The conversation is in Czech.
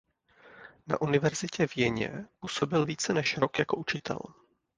Na univerzitě v Jeně působil více než rok jako učitel.